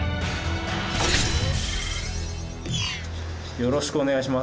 よろしくお願いします。